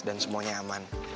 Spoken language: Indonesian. dan semuanya aman